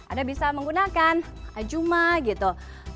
anda bisa menggunakan ajuma gitu